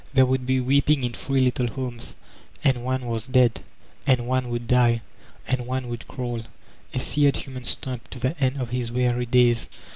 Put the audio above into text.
There woald be weeping in three little homes ; and one was dead, and one would die, and one would crawl, a seared human stump, to the end of his weary days.